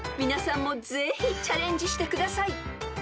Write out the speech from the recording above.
［皆さんもぜひチャレンジしてください］